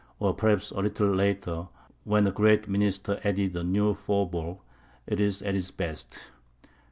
or perhaps a little later, when a great minister added a new faubourg, it was at its best.